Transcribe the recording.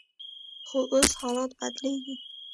خو اوس حالات بدلیږي.